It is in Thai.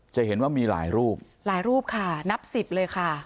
จะเห็นว่ามีหลายรูปหลายรูปค่ะนับสิบเลยค่ะ